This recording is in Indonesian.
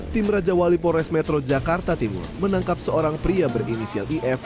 tim raja wali pores metro jakarta timur menangkap seorang pria berinisial if